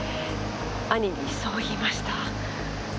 兄にそう言いました。